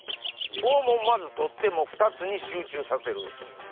をまず取って２つに集中させる。